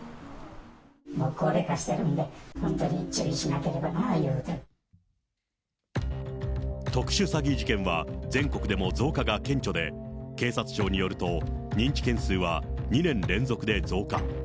もう高齢化してるんで、特殊詐欺事件は全国でも増加が顕著で、警察庁によると、認知件数は２年連続で増加。